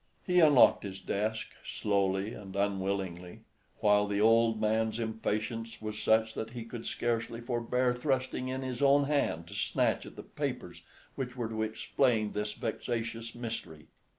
He unlocked his desk, slowly and unwillingly, while the old man's impatience was such that he could scarcely forbear thrusting in his own hand to snatch at the papers which were to explain this vexatious mystery.